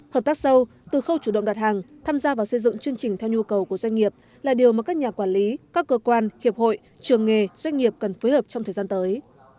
hợp tác sâu từ khâu chủ động đặt hàng tham gia vào xây dựng chương trình theo nhu cầu của doanh nghiệp là điều mà các nhà quản lý các cơ quan hiệp hội trường nghề doanh nghiệp cần phối hợp trong thời gian tới